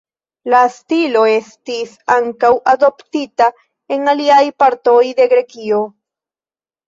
La stilo estis ankaŭ adoptita en aliaj partoj de Grekio.